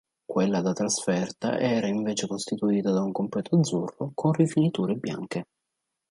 Quella da trasferta era invece costituita da un completo azzurro, con rifiniture bianche.